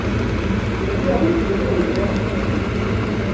Lliɣ d aselmad n Si Remḍan.